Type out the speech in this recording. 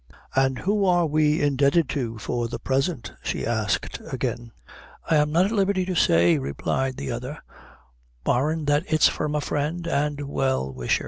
"And who are we indebted to for the present?" she asked again. "I'm not at liberty to say," replied the other; "barrin' that it's from a friend and well wisher."